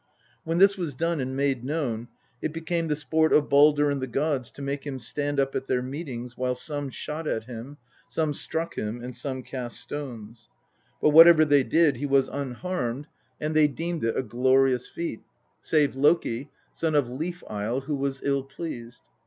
When this was done and made known, it became the sport of Baldr and the gods to make him stand up at their meetings while some shot at him, some struck him, and some cast stones ; but whatever they did he was unharmed, and LXII THE POETIC EDDA. they deemed'it a glorious feat save Loki, son of Leaf isle, who was ill pleased.